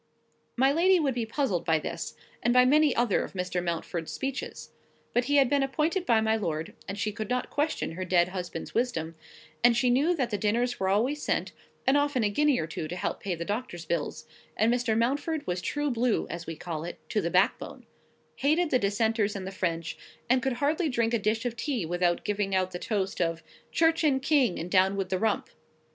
My lady would be puzzled by this, and by many other of Mr. Mountford's speeches. But he had been appointed by my lord, and she could not question her dead husband's wisdom; and she knew that the dinners were always sent, and often a guinea or two to help to pay the doctor's bills; and Mr. Mountford was true blue, as we call it, to the back bone; hated the dissenters and the French; and could hardly drink a dish of tea without giving out the toast of "Church and King, and down with the Rump."